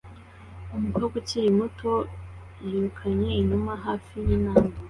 Umukobwa ukiri muto yirukanye inuma hafi yintambwe